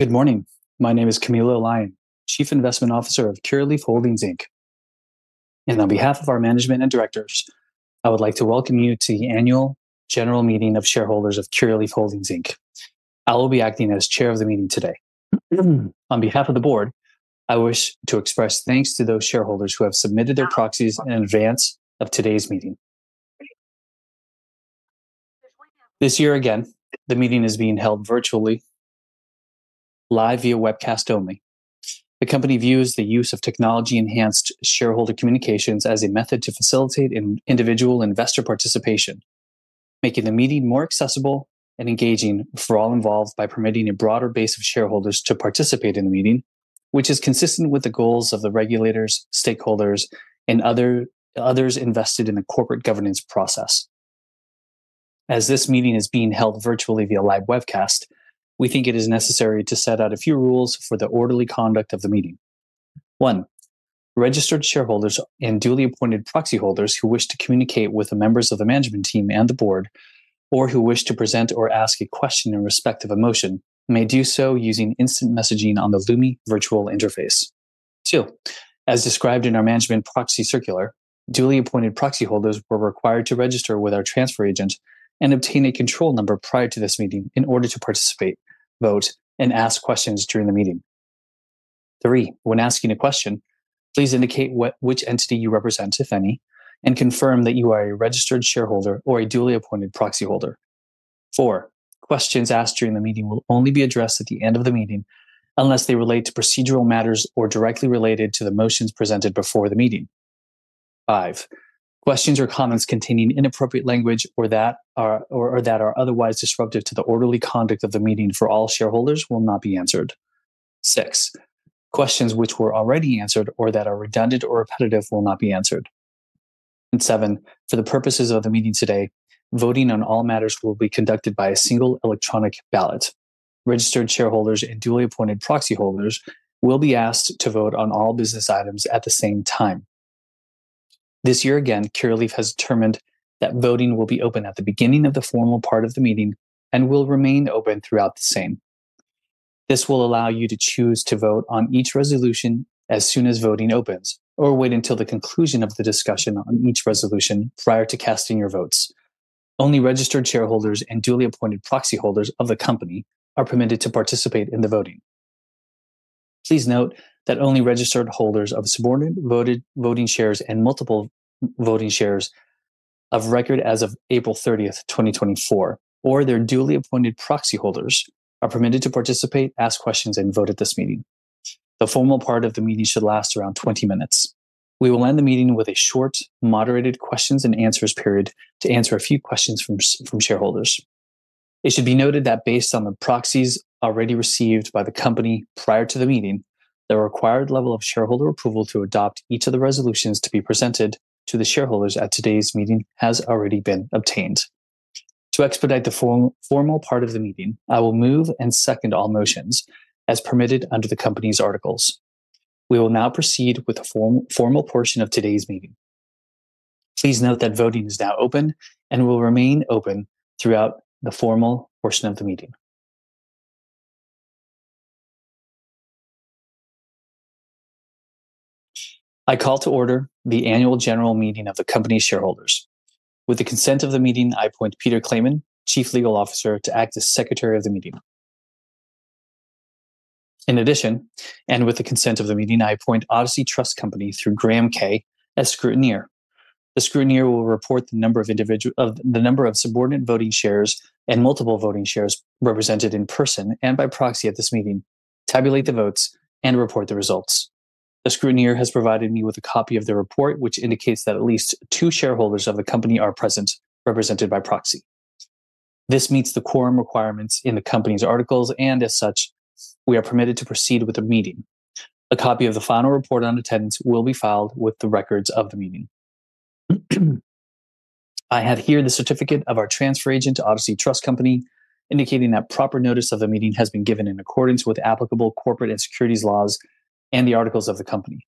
Good morning. My name is Camilo Lyon, Chief Investment Officer of Curaleaf Holdings, Inc. On behalf of our management and directors, I would like to welcome you to the annual general meeting of shareholders of Curaleaf Holdings, Inc. I will be acting as chair of the meeting today. On behalf of the board, I wish to express thanks to those shareholders who have submitted their proxies in advance of today's meeting. This year again, the meeting is being held virtually, live via webcast only. The company views the use of technology-enhanced shareholder communications as a method to facilitate individual investor participation, making the meeting more accessible and engaging for all involved by permitting a broader base of shareholders to participate in the meeting, which is consistent with the goals of the regulators, stakeholders, and others invested in the corporate governance process. As this meeting is being held virtually via live webcast, we think it is necessary to set out a few rules for the orderly conduct of the meeting. One, registered shareholders and duly appointed proxy holders who wish to communicate with the members of the management team and the board, or who wish to present or ask a question in respect of a motion, may do so using instant messaging on the Lumi virtual interface. Two, as described in our management proxy circular, duly appointed proxy holders were required to register with our transfer agent and obtain a control number prior to this meeting in order to participate, vote, and ask questions during the meeting. Three, when asking a question, please indicate which entity you represent, if any, and confirm that you are a registered shareholder or a duly appointed proxy holder. Four, questions asked during the meeting will only be addressed at the end of the meeting unless they relate to procedural matters or directly related to the motions presented before the meeting. Five, questions or comments containing inappropriate language or that are otherwise disruptive to the orderly conduct of the meeting for all shareholders will not be answered. Six, questions which were already answered or that are redundant or repetitive will not be answered. Seven, for the purposes of the meeting today, voting on all matters will be conducted by a single electronic ballot. Registered shareholders and duly appointed proxy holders will be asked to vote on all business items at the same time. This year again, Curaleaf has determined that voting will be open at the beginning of the formal part of the meeting and will remain open throughout the same. This will allow you to choose to vote on each resolution as soon as voting opens or wait until the conclusion of the discussion on each resolution prior to casting your votes. Only registered shareholders and duly appointed proxy holders of the company are permitted to participate in the voting. Please note that only registered holders of subordinate voting shares and multiple voting shares of record as of April 30th, 2024, or their duly appointed proxy holders are permitted to participate, ask questions, and vote at this meeting. The formal part of the meeting should last around 20 minutes. We will end the meeting with a short, moderated questions and answers period to answer a few questions from shareholders. It should be noted that based on the proxies already received by the company prior to the meeting, the required level of shareholder approval to adopt each of the resolutions to be presented to the shareholders at today's meeting has already been obtained. To expedite the formal part of the meeting, I will move and second all motions as permitted under the company's articles. We will now proceed with the formal portion of today's meeting. Please note that voting is now open and will remain open throughout the formal portion of the meeting. I call to order the annual general meeting of the company shareholders. With the consent of the meeting, I appoint Peter Clateman, Chief Legal Officer, to act as secretary of the meeting. In addition, and with the consent of the meeting, I appoint Odyssey Trust Company through Graham Kaye as scrutineer. The scrutineer will report the number of subordinate voting shares and multiple voting shares represented in person and by proxy at this meeting, tabulate the votes, and report the results. The scrutineer has provided me with a copy of the report, which indicates that at least two shareholders of the company are present, represented by proxy. This meets the quorum requirements in the company's articles, and as such, we are permitted to proceed with the meeting. A copy of the final report on attendance will be filed with the records of the meeting. I have here the certificate of our transfer agent to Odyssey Trust Company, indicating that proper notice of the meeting has been given in accordance with applicable corporate and securities laws and the articles of the company.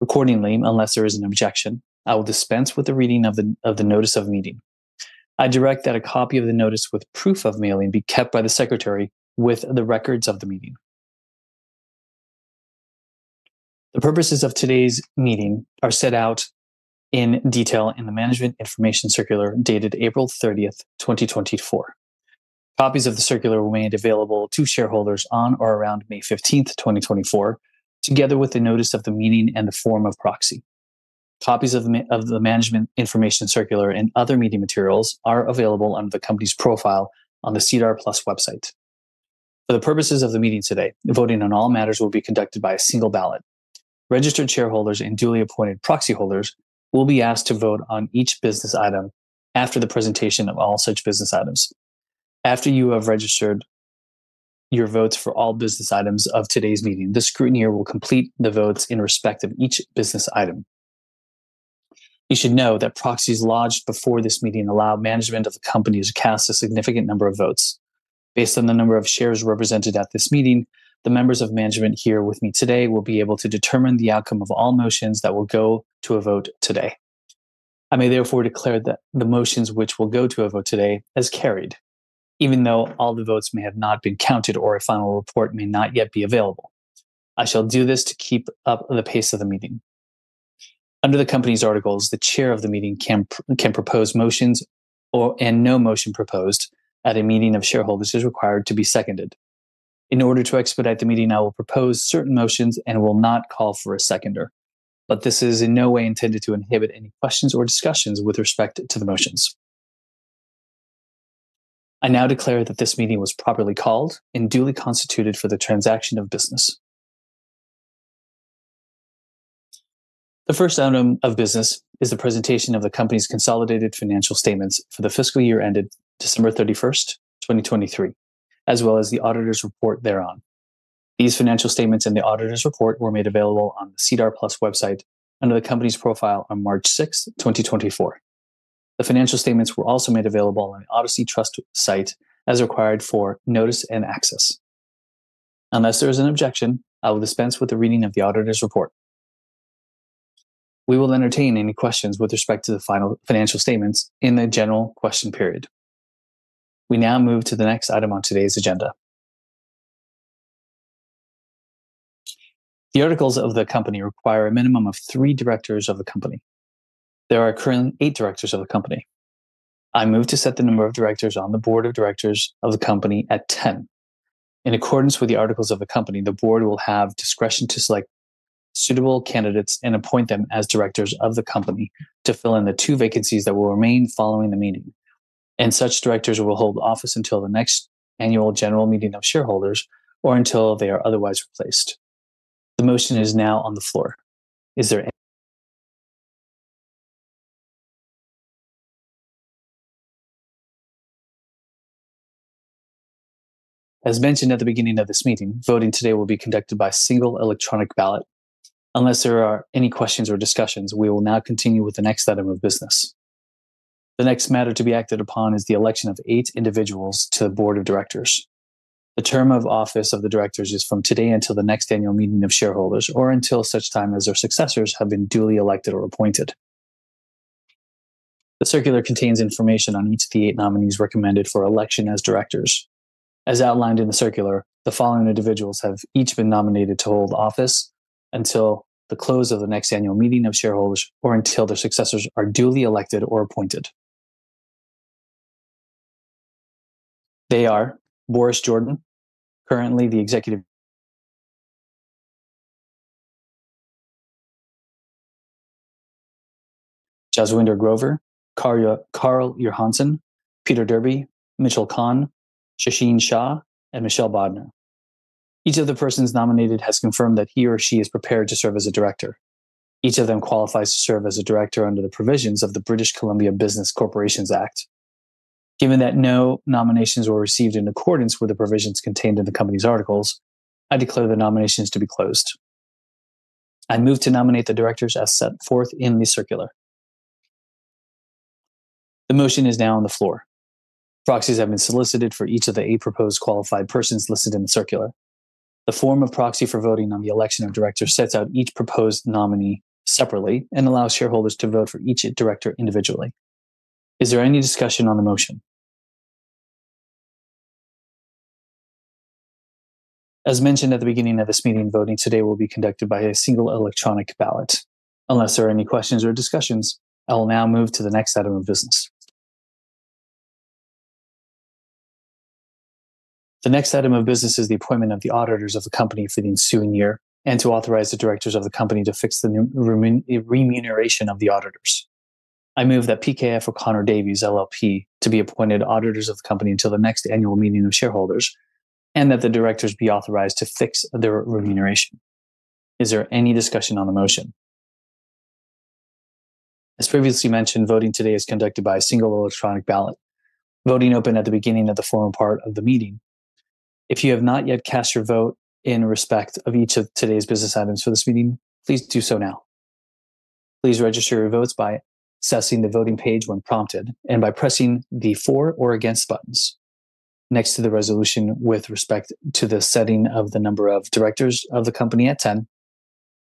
Accordingly, unless there is an objection, I will dispense with the reading of the notice of the meeting. I direct that a copy of the notice with proof of mailing be kept by the secretary with the records of the meeting. The purposes of today's meeting are set out in detail in the management information circular dated April 30th, 2024. Copies of the circular will remain available to shareholders on or around May 15th, 2024, together with the notice of the meeting and the form of proxy. Copies of the management information circular and other meeting materials are available on the company's profile on the SEDAR+ website. For the purposes of the meeting today, voting on all matters will be conducted by a single ballot. Registered shareholders and duly appointed proxy holders will be asked to vote on each business item after the presentation of all such business items. After you have registered your votes for all business items of today's meeting, the scrutineer will complete the votes in respect of each business item. You should know that proxies lodged before this meeting allow management of the company to cast a significant number of votes. Based on the number of shares represented at this meeting, the members of management here with me today will be able to determine the outcome of all motions that will go to a vote today. I may therefore declare that the motions which will go to a vote today as carried, even though all the votes may have not been counted or a final report may not yet be available. I shall do this to keep up the pace of the meeting. Under the company's articles, the chair of the meeting can propose motions and no motion proposed at a meeting of shareholders is required to be seconded. In order to expedite the meeting, I will propose certain motions and will not call for a seconder, but this is in no way intended to inhibit any questions or discussions with respect to the motions. I now declare that this meeting was properly called and duly constituted for the transaction of business. The first item of business is the presentation of the company's consolidated financial statements for the fiscal year ended December 31st, 2023, as well as the auditor's report thereon. These financial statements and the auditor's report were made available on the SEDAR+ website under the company's profile on March 6th, 2024. The financial statements were also made available on the Odyssey Trust site as required for Notice and Access. Unless there is an objection, I will dispense with the reading of the auditor's report. We will entertain any questions with respect to the final financial statements in the general question period. We now move to the next item on today's agenda. The articles of the company require a minimum of three directors of the company. There are currently eight directors of the company. I move to set the number of directors on the board of directors of the company at 10. In accordance with the articles of the company, the board will have discretion to select suitable candidates and appoint them as directors of the company to fill in the two vacancies that will remain following the meeting. And such directors will hold office until the next annual general meeting of shareholders or until they are otherwise replaced. The motion is now on the floor. Is there any? As mentioned at the beginning of this meeting, voting today will be conducted by single electronic ballot. Unless there are any questions or discussions, we will now continue with the next item of business. The next matter to be acted upon is the election of eight individuals to the board of directors. The term of office of the directors is from today until the next annual meeting of shareholders or until such time as their successors have been duly elected or appointed. The circular contains information on each of the eight nominees recommended for election as directors. As outlined in the circular, the following individuals have each been nominated to hold office until the close of the next annual meeting of shareholders or until their successors are duly elected or appointed. They are Boris Jordan, currently the executive Jaswinder Grover, Karl Johansson, Peter Derby, Mitchell Kahn, Shasheen Shah, and Michelle Bodner. Each of the persons nominated has confirmed that he or she is prepared to serve as a director. Each of them qualifies to serve as a director under the provisions of the British Columbia Business Corporations Act. Given that no nominations were received in accordance with the provisions contained in the company's articles, I declare the nominations to be closed. I move to nominate the directors as set forth in the circular. The motion is now on the floor. Proxies have been solicited for each of the eight proposed qualified persons listed in the circular. The form of proxy for voting on the election of directors sets out each proposed nominee separately and allows shareholders to vote for each director individually. Is there any discussion on the motion? As mentioned at the beginning of this meeting, voting today will be conducted by a single electronic ballot. Unless there are any questions or discussions, I will now move to the next item of business. The next item of business is the appointment of the auditors of the company for the ensuing year and to authorize the directors of the company to fix the remuneration of the auditors. I move that PKF O'Connor Davies, LLP, to be appointed auditors of the company until the next annual meeting of shareholders and that the directors be authorized to fix their remuneration. Is there any discussion on the motion? As previously mentioned, voting today is conducted by a single electronic ballot. Voting opened at the beginning of the formal part of the meeting. If you have not yet cast your vote in respect of each of today's business items for this meeting, please do so now. Please register your votes by accessing the voting page when prompted and by pressing the for or against buttons next to the resolution with respect to the setting of the number of directors of the company at 10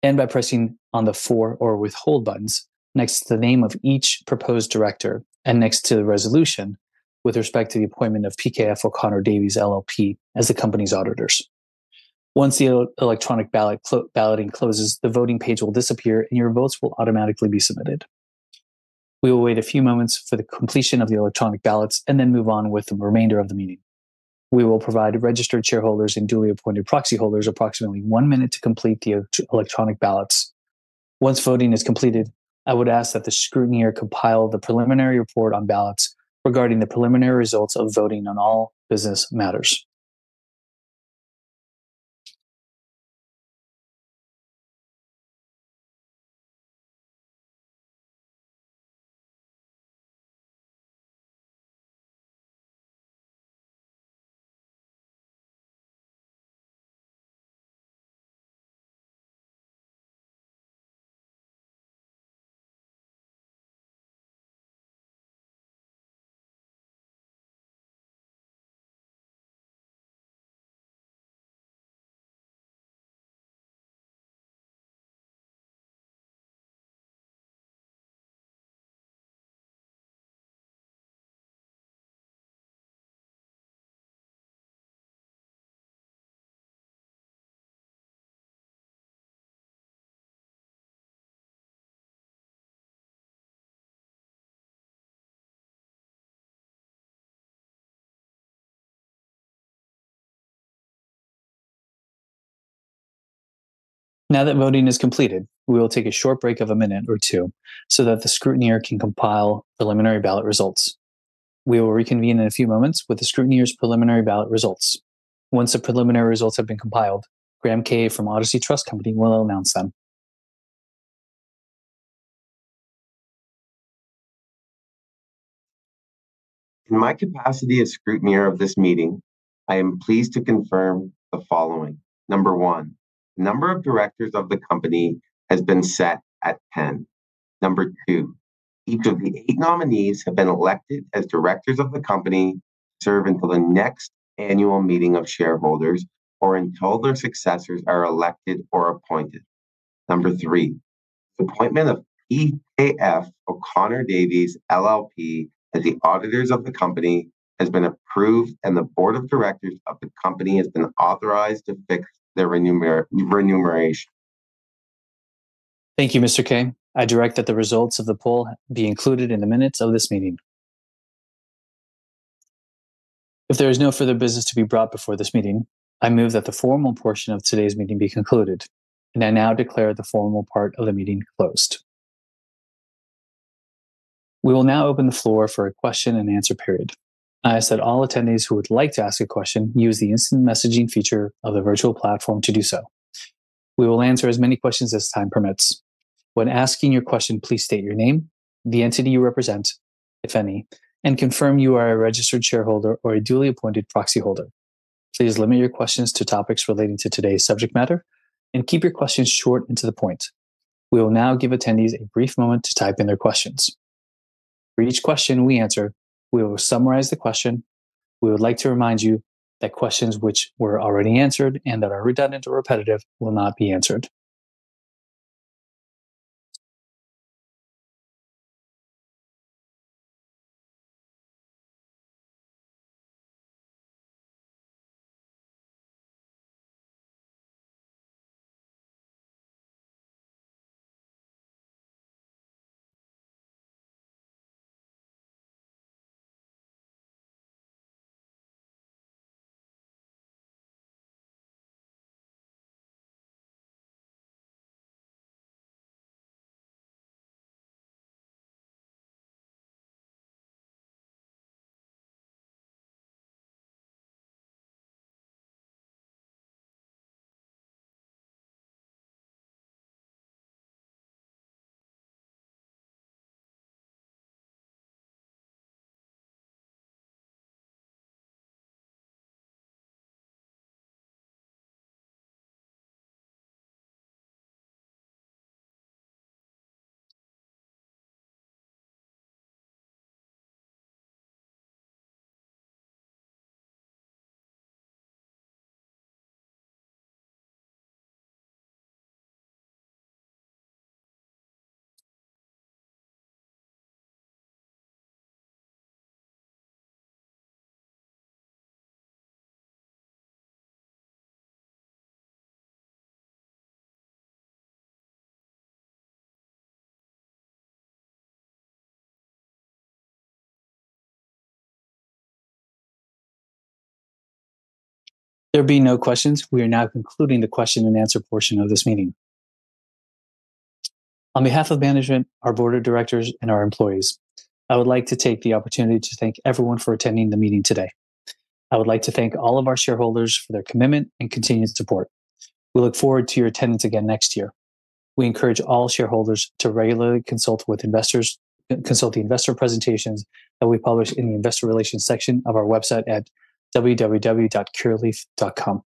and by pressing on the for or withhold buttons next to the name of each proposed director and next to the resolution with respect to the appointment of PKF O'Connor Davies, LLP, as the company's auditors. Once the electronic balloting closes, the voting page will disappear and your votes will automatically be submitted. We will wait a few moments for the completion of the electronic ballots and then move on with the remainder of the meeting. We will provide registered shareholders and duly appointed proxy holders approximately 1 minute to complete the electronic ballots. Once voting is completed, I would ask that the scrutineer compile the preliminary report on ballots regarding the preliminary results of voting on all business matters. Now that voting is completed, we will take a short break of 1 minute or two so that the scrutineer can compile preliminary ballot results. We will reconvene in a few moments with the scrutineer's preliminary ballot results. Once the preliminary results have been compiled, Graham Kaye from Odyssey Trust Company will announce them. In my capacity as scrutineer of this meeting, I am pleased to confirm the following. Number one, the number of directors of the company has been set at 10. Number two, each of the eight nominees have been elected as directors of the company to serve until the next annual meeting of shareholders or until their successors are elected or appointed. Number three, the appointment of PKF O'Connor Davies, LLP, as the auditors of the company has been approved and the board of directors of the company has been authorized to fix their remuneration. Thank you, Mr. Kaye. I direct that the results of the poll be included in the minutes of this meeting. If there is no further business to be brought before this meeting, I move that the formal portion of today's meeting be concluded. I now declare the formal part of the meeting closed. We will now open the floor for a question and answer period. I ask that all attendees who would like to ask a question use the instant messaging feature of the virtual platform to do so. We will answer as many questions as time permits. When asking your question, please state your name, the entity you represent, if any, and confirm you are a registered shareholder or a duly appointed proxy holder. Please limit your questions to topics relating to today's subject matter and keep your questions short and to the point. We will now give attendees a brief moment to type in their questions. For each question we answer, we will summarize the question. We would like to remind you that questions which were already answered and that are redundant or repetitive will not be answered. There being no questions, we are now concluding the question and answer portion of this meeting. On behalf of management, our board of directors, and our employees, I would like to take the opportunity to thank everyone for attending the meeting today. I would like to thank all of our shareholders for their commitment and continued support. We look forward to your attendance again next year. We encourage all shareholders to regularly consult with investors, consult the investor presentations that we publish in the investor relations section of our website at www.curaleaf.com.